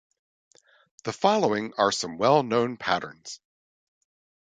The following are some well known patterns.